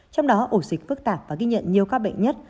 trong đó ổ dịch phức tạp và ghi nhận nhiều ca bệnh nhất